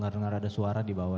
buah yang sedang beri kepala